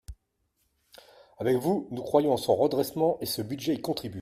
Avec vous, nous croyons en son redressement et ce budget y contribue